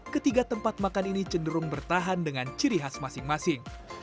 ketiga tempat makan ini cenderung bertahan dengan ciri khas masing masing